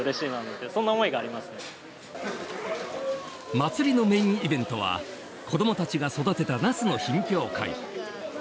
まつりのメインイベントは子どもたちが育てたナスの品評会。